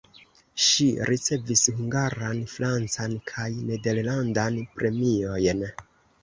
Ŝi ricevis hungaran, francan kaj nederlandan premiojn.